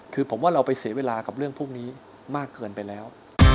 คือผมว่าเราไปเสียเวลากับเรื่องพวกนี้มากเกินไปแล้ว